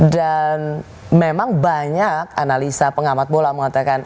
dan memang banyak analisa pengamat bola mengatakan